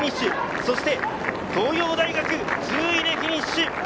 そして東洋大学、１０位でフィニッシュ。